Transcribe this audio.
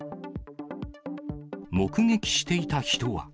目撃していた人は。